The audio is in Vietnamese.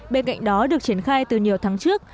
bên cạnh đó được triển khai từ nhiều tháng trước